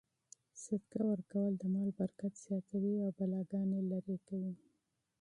صدقه ورکول د مال برکت زیاتوي او بلاګانې لیرې کوي.